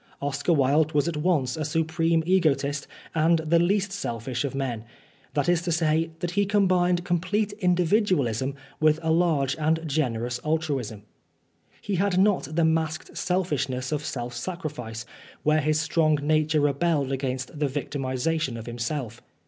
Oscar Wilde was at once a supreme egotist and the least selfish of men, that is to say, that he combined complete individualism with a large and generous altruism. He had not the masked selfishness of self sacrifice where his strong nature rebelled against the victimization of himself.